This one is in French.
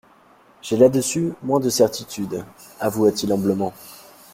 J'ai là-dessus moins de certitudes, avoua-t-il humblement.